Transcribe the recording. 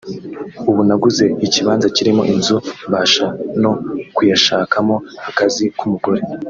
ubu naguze ikibanza kirimo inzu mbasha no kuyashakamo akazi k’umugore’’